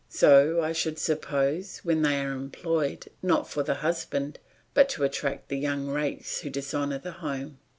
So I should suppose, when they are employed, not for the husband, but to attract the young rakes who dishonour the home.